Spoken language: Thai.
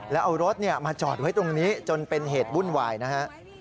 แล้วเอารถมาจอดไว้ตรงนี้จนเป็นเหตุวุ่นวายนะฮะ